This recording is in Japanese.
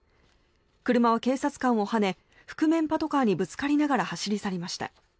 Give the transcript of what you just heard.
車は警察官をはね覆面パトカーにぶつかりながら走り去りました。